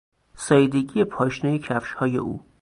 ساییدگی پاشنهی کفشهای او